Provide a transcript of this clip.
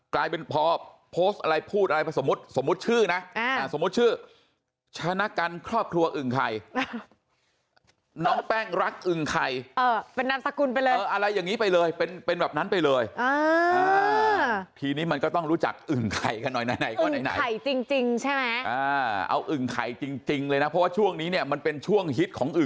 กลายเป็นพอโพสต์อะไรพูดอะไรไปสมมุติสมมุติชื่อนะสมมุติชื่อชนะกันครอบครัวอึ่งไข่น้องแป้งรักอึ่งไข่เป็นนามสกุลไปเลยอะไรอย่างนี้ไปเลยเป็นแบบนั้นไปเลยทีนี้มันก็ต้องรู้จักอึ่งไข่กันหน่อยไหนก็ไหนไข่จริงใช่ไหมเอาอึ่งไข่จริงเลยนะเพราะว่าช่วงนี้เนี่ยมันเป็นช่วงฮิตของอึ